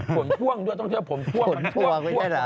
ผลพ่วงก็ที่เราผลพ่วง